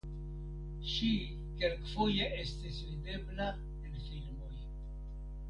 Ŝi kelkfoje estis videbla en filmoj.